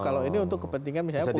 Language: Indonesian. kalau ini untuk kepentingan misalnya